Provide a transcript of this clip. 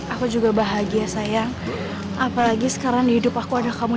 aku dateng kesini hanya ada niat aku sedikit pun untuk hancurin acara kalian